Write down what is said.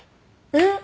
えっ？